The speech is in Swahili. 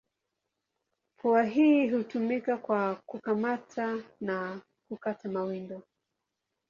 Pua hii hutumika kwa kukamata na kukata mawindo.